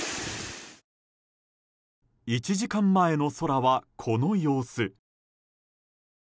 １時間前の空は、この様子。